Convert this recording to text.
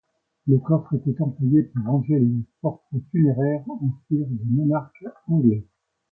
Le coffre était employé pour ranger les portraits funéraires en cire des monarques anglais.